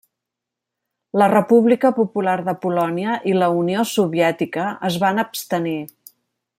La República Popular de Polònia i la Unió Soviètica es van abstenir.